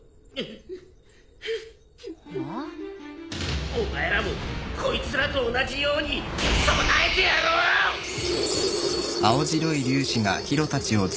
ん？お前らもこいつらと同じように供えてやろう！